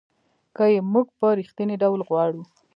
که یې موږ په رښتینې ډول غواړو .